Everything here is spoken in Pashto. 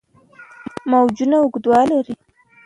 موجونه اوږدوالي لري.